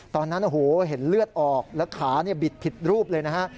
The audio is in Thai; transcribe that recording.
ตอนนั้นโอ้โหเห็นเลือดออกแล้วขาบิดผิดรูปเลยนะฮะ